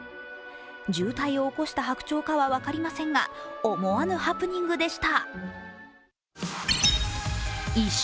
渋滞を起こしたはくちょうかは分かりませんが思わぬハプニングでした。